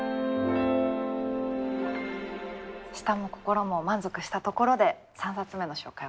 舌も心も満足したところで３冊目の紹介